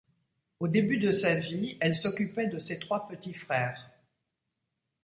Au début de sa vie, elle s'occupait de ses trois petits frères.